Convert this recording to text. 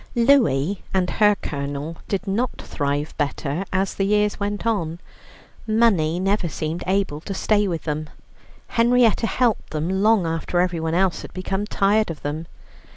Louie and her Colonel did not thrive better as the years went on. Money never seemed able to stay with them. Henrietta helped them long after everyone else had become tired of them.